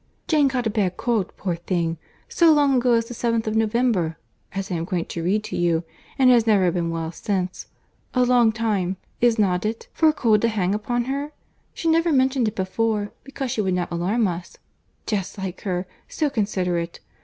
"Jane caught a bad cold, poor thing! so long ago as the 7th of November, (as I am going to read to you,) and has never been well since. A long time, is not it, for a cold to hang upon her? She never mentioned it before, because she would not alarm us. Just like her! so considerate!